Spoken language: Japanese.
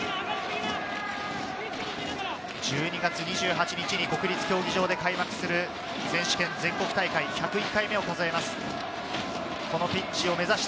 １２月２８日に国立競技場で開幕する選手権全国大会１０１回を数えます。